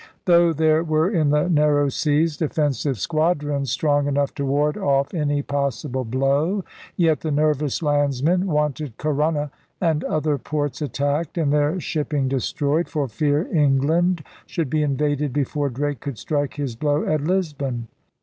Though there were in the Narrow Seas defensive squadrons strong enough to ward off any possible blow, yet the nervous landsmen wanted Corunna and other ports attacked and their shipping de stroyed, for fear England should be invaded before Drake could strike his blow at Lisbon.